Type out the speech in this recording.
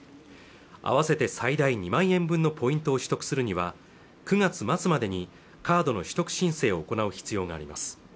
合わせて最大２万円分のポイントを取得するには９月末までにカードの取得申請を行う必要があります